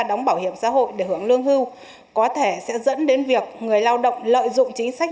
đóng bảo hiểm xã hội để hưởng lương hưu có thể sẽ dẫn đến việc người lao động lợi dụng chính sách